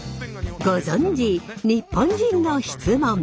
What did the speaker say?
ご存じ「日本人の質問」。